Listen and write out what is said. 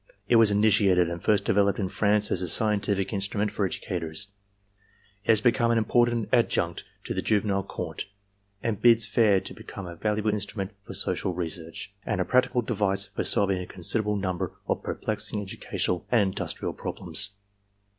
It was initiated and first developed in France as a scientific instrument for educators. It has become an important adjunct to the juvenile court, and bids fair to become a valuable instrument for social research, and a practicable device for solving a considerable number of perplexing educational and industrial problems.